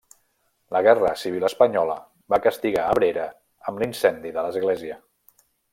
La Guerra Civil espanyola va castigar Abrera amb l'incendi de l'església.